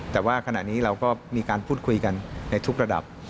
แต่ว่าขณะนี้เราก็มีการพูดคุยกันในทุกระดับ